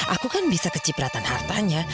aku kan bisa kecipratan hartanya